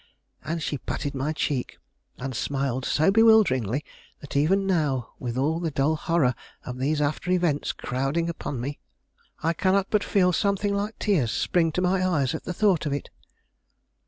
and she patted my cheek, and smiled so bewilderingly, that even now, with all the dull horror of these after events crowding upon me, I cannot but feel something like tears spring to my eyes at the thought of it.